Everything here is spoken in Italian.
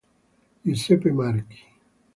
Giuseppe Marchi